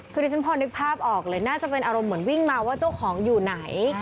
คือที่ฉันพอนึกภาพออกเลยน่าจะเป็นอารมณ์เหมือนวิ่งมาว่าเจ้าของอยู่ไหน